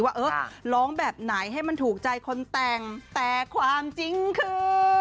ว่าเออร้องแบบไหนให้มันถูกใจคนแต่งแต่ความจริงคือ